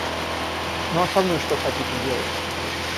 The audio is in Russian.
Ну, а со мной что хотите делать?